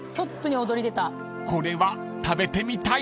［これは食べてみたい］